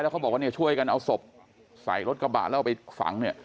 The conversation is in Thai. แล้วเขาบอกว่าช่วยกันเอาศพใส่รถกระบาดแล้วไปฝัง